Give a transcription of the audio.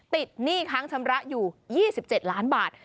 หนี้ค้างชำระอยู่๒๗ล้านบาท